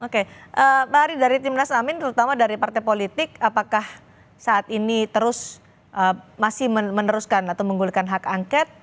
oke pak ari dari timnas amin terutama dari partai politik apakah saat ini terus masih meneruskan atau menggulikan hak angket